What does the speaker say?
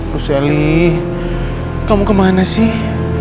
roseli kamu kemana sih